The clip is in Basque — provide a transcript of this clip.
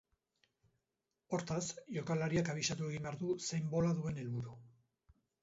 Hortaz, jokalariak abisatu egin behar du zein bola duen helburu.